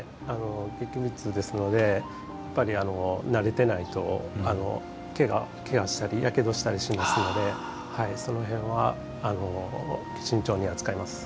劇物ですのでやっぱり慣れてないと手がけがしたりやけどしたりしますのでその辺は慎重に扱います。